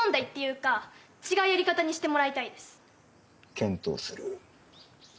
検討する。